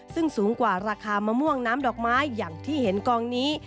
ซึ่งสูงกว่าราคามะม่วงน้ำดอกไม้อย่างที่เห็นกองนี้